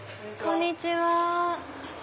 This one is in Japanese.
こんにちは。